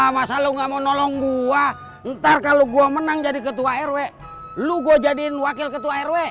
masa lu gak mau nolong gua ntar kalau gua menang jadi ketua rw lu gua jadiin wakil ketua rw